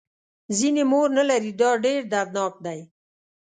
ځینې مور نه لري دا ډېر دردناک دی.